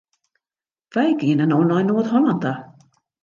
Wy gean no nei Noard-Hollân ta.